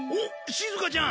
しずかちゃん